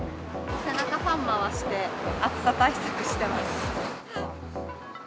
背中、ファン回して、暑さ対策してます。